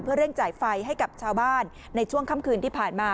เร่งจ่ายไฟให้กับชาวบ้านในช่วงค่ำคืนที่ผ่านมา